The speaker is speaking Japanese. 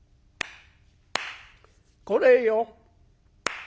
「これよ」。